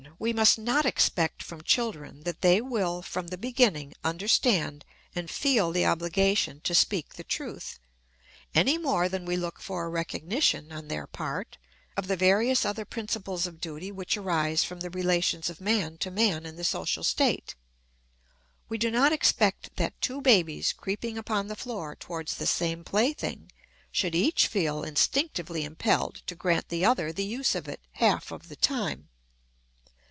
We must not expect from children that they will from the beginning understand and feel the obligation to speak the truth, any more than we look for a recognition, on their part, of the various other principles of duty which arise from the relations of man to man in the social state. We do not expect that two babies creeping upon the floor towards the same plaything should each feel instinctively impelled to grant the other the use of it half of the time.